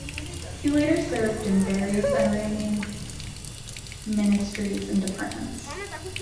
He later served in various Iranian ministries and departments.